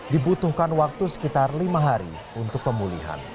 dibutuhkan waktu sekitar lima hari untuk pemulihan